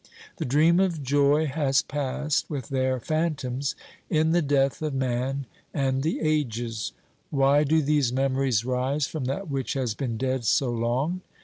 The dream of joy has passed with their phantoms in the death of man and the ages. Why do these memories rise from that which has been dead so long?